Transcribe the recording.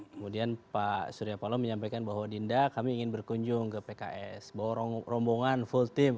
kemudian pak surya paloh menyampaikan bahwa dinda kami ingin berkunjung ke pks bawa rombongan full team